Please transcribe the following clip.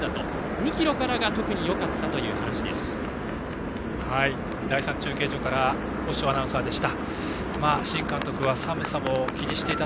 ２ｋｍからが特によかったという話でした。